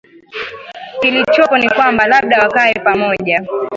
kilichopo ni kwamba labda wakae pamoja